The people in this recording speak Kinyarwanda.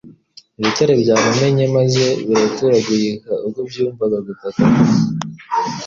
Ibitare byaramumenye maze biraturagtuika ubwo byumvaga gutaka kwe.